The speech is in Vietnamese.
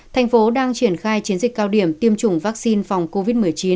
thành phố đang triển khai chiến dịch cao điểm tiêm chủng vaccine phòng covid một mươi chín